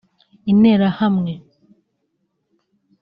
Interahamwe